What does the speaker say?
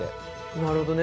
なるほどね。